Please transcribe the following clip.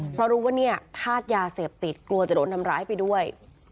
เพราะรู้ว่าเนี่ยธาตุยาเสพติดกลัวจะโดนทำร้ายไปด้วย